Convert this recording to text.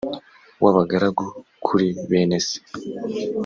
w abagaragu kuri bene se